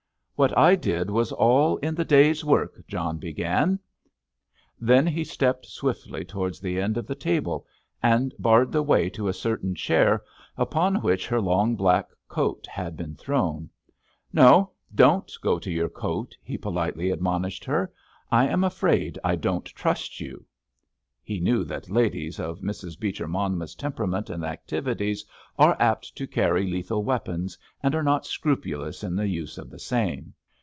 "What I did was all in the day's work," John began; then he stepped swiftly towards the end of the table and barred the way to a certain chair upon which her long black coat had been thrown. "No, don't go to your coat," he politely admonished her. "I am afraid I don't trust you!" He knew that ladies of Mrs. Beecher Monmouth's temperament and activities are apt to carry lethal weapons, and are not scrupulous in the use of the same.